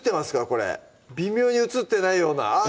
これ微妙に映ってないようなあっ！